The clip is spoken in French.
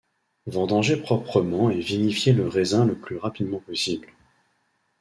Vendanger proprement et vinifier le raisin le plus rapidement possible.